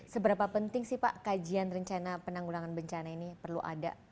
seberapa penting sih pak kajian rencana penanggulangan bencana ini perlu ada